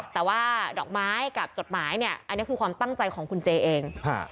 แต่ว่าดอกไม้กับจดหมายเนี่ยอันนี้คือความตั้งใจของคุณเจเอง